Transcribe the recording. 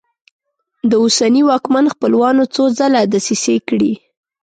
د اوسني واکمن خپلوانو څو ځله دسیسې کړي.